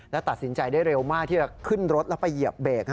และตัดสินใจได้เร็วมากที่จะขึ้นรถแล้วไปเหยียบเบรก